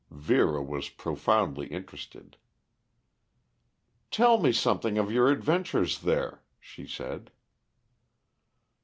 Vera was profoundly interested. "Tell me something of your adventures there," she said.